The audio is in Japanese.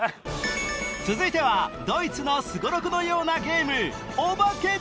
続いてはすごろくのようなゲーム